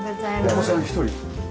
お子さん１人？